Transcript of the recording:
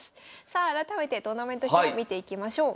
さあ改めてトーナメント表を見ていきましょう。